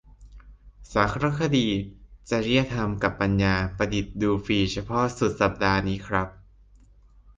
สารคดี จริยศาสตร์กับปัญญาประดิษฐ์ ดูฟรีเฉพาะสุดสัปดาห์นี้ครับ